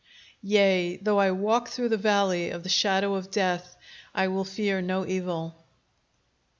"Yea, though I walk through the valley of the shadow of death, I will fear no evil."